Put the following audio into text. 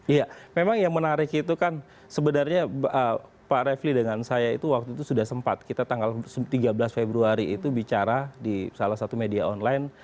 iya memang yang menarik itu kan sebenarnya pak refli dengan saya itu waktu itu sudah sempat kita tanggal tiga belas februari itu bicara di salah satu media online